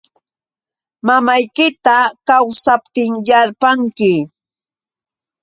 Mamaykita kawsaptinyarpanki.